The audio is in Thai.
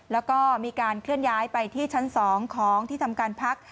แล้วก็มีการเคลื่อนย้ายไปที่ชั้น๒ของที่ทำการพัก